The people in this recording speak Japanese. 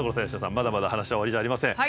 まだまだ話は終わりじゃありません。